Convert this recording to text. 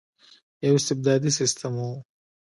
یو استبدادي سسټم وو.